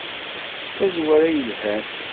D tazwara i yelhan!